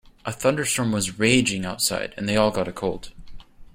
A thunderstorm was raging outside and they all got a cold.